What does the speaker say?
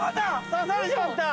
刺されちゃった！